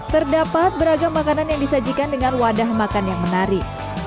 terdapat beragam makanan yang disajikan dengan wadah makan yang menarik